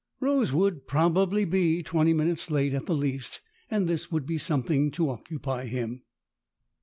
Rose would probably be twenty minutes late at the least, and this would be some thing to occupy him.